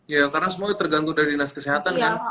ya karena semuanya tergantung dari dinas kesehatan kan